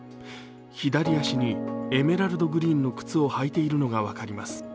左足にエメラルドグリーンの靴を履いているのが分かります。